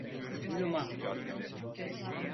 Uyuma!